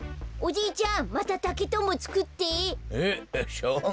おじいちゃんまたたけとんぼつくって！